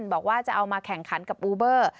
บอกว่าจะเอามาแข่งขันกับอูเบอร์